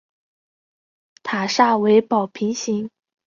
塔刹为宝瓶形。